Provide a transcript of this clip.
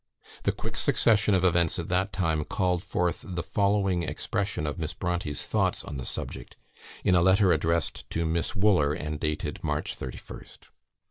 The quick succession of events at that time called forth the following expression of Miss Brontë's thoughts on the subject, in a letter addressed to Miss Wooler, and dated March 31st.